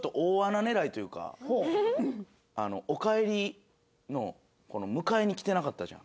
「おかえり」の迎えに来てなかったじゃん。